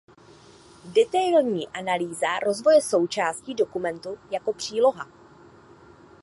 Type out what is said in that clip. Detailní analýza rozvoje součástí dokumentu jako příloha.